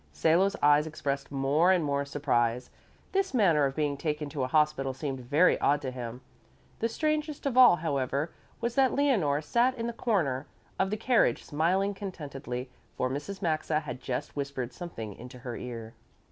Salo's eyes expressed more and more surprise. This manner of being taken to a hospital seemed very odd to him. The strangest of all, however, was that Leonore sat in the corner of the carriage smiling contentedly, for Mrs. Maxa had just whispered something into her ear.